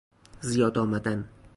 زیاد آمدن